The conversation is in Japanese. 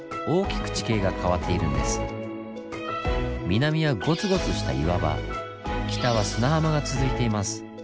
南はゴツゴツした岩場北は砂浜が続いています。